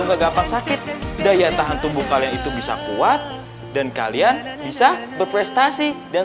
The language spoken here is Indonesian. enggak gampang sakit daya tahan tubuh kalian itu bisa kuat dan kalian bisa berprestasi dan